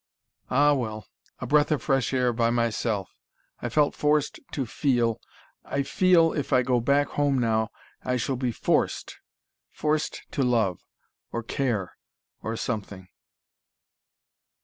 "Ah, well! A breath of fresh air, by myself. I felt forced to feel I feel if I go back home now, I shall be FORCED forced to love or care or something."